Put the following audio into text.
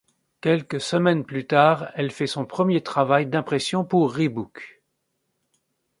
Quelques semaines plus tard, elle a fait son premier travail d'impression pour Reebok.